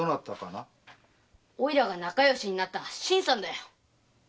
おいらが仲よしになった新さんだよ。